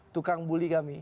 tukang buli kami